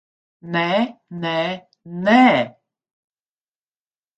Nē, nē, nē!